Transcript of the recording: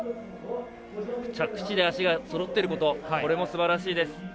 着地で足がそろってることこれもすばらしいです。